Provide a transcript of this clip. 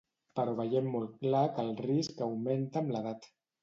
Però veiem molt clar que el risc augmenta amb l’edat.